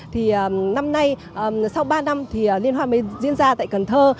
thì năm nay sau ba năm thì liên hoa mới diễn ra tại cần thơ